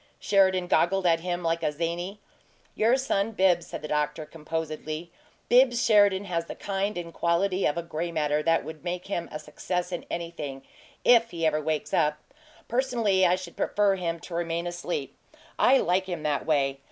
Sheridan goggled at him like a zany. "Your son Bibbs," said the doctor, composedly, "Bibbs Sheridan has the kind and quantity of 'gray matter' that will make him a success in anything if he ever wakes up! Personally I should prefer him to remain asleep. I like him that way.